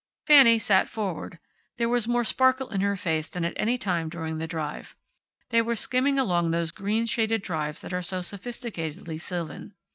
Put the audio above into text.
Fanny sat forward. There was more sparkle in her face than at any time during the drive. They were skimming along those green shaded drives that are so sophisticatedly sylvan.